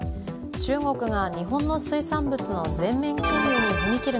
中国が日本の水産物の全面禁輸に踏み切る